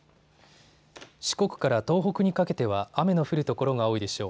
四国から東北にかけては雨の降る所が多いでしょう。